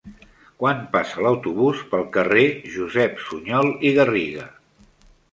Quan passa l'autobús pel carrer Josep Sunyol i Garriga?